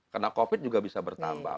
karena covid juga bisa berubah